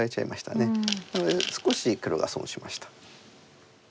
なので少し黒が損しました。